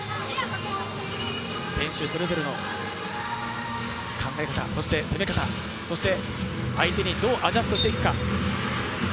選手それぞれの考え方、攻め方、相手にどうアジャストしていくか。